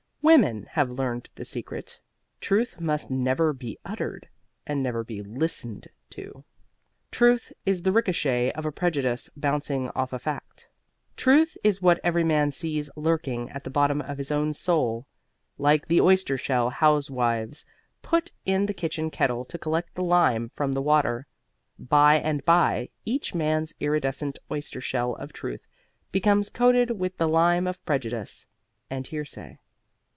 Women have learned the secret. Truth must never be uttered, and never be listened to. Truth is the ricochet of a prejudice bouncing off a fact. Truth is what every man sees lurking at the bottom of his own soul, like the oyster shell housewives put in the kitchen kettle to collect the lime from the water. By and by each man's iridescent oyster shell of Truth becomes coated with the lime of prejudice and hearsay.